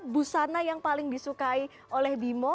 busana yang paling disukai oleh bimo